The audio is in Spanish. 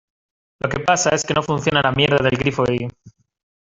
lo que pasa es que no funciona la mierda del grifo y...